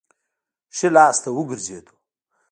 ښي لاس ته وګرځېدو.